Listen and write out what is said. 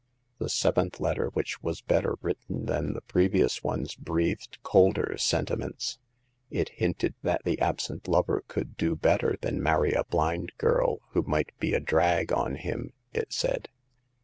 The seventh letter, which was better written than the previous ones, breathed colder sentiments ; it hinted that the absent lover could do better than marry a blind girl, who might be a drag on him, it said.